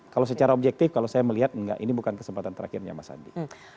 kalau secara objektif kalau saya melihat enggak ini bukan kesempatan terakhirnya mas andi